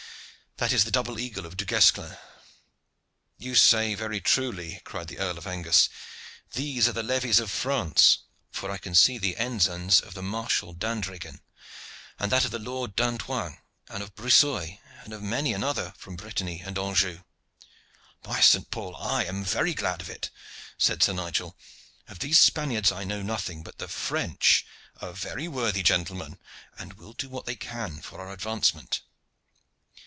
That is the double eagle of Du Guesclin." "You say very truly," cried the Earl of Angus. "These are the levies of France, for I can see the ensigns of the Marshal d'Andreghen, with that of the Lord of Antoing and of Briseuil, and of many another from Brittany and Anjou." "By St. Paul! I am very glad of it," said Sir Nigel. "Of these Spaniards I know nothing; but the French are very worthy gentlemen, and will do what they can for our advancement."